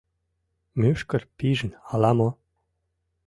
Мӱшкыр пижын ала-мо...